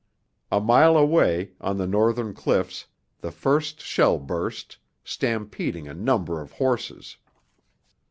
A mile away, on the northern cliffs, the first shell burst, stampeding a number of horses.